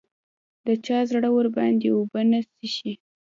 د چا زړه ورباندې اوبه نه څښي